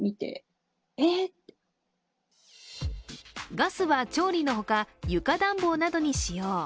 ガスは調理のほか床暖房などに使用。